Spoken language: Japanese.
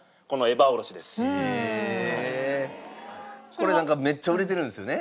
これなんかめっちゃ売れてるんですよね。